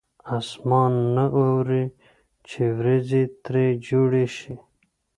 اسمان نه اوري چې ورېځې ترې جوړې شي.